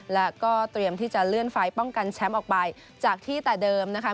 และก็เตรียมที่จะเลื่อนไฟล์ป้องกันแชมป์ออกไปจากที่แต่เดิมนะคะ